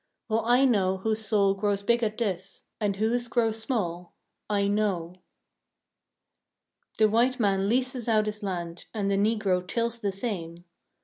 Well I know whose soul grows big at this, And whose grows small; I know! The white man leases out his land, And the Negro tills the same.